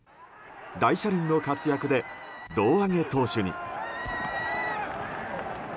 大車輪の活躍で胴上げ投手に。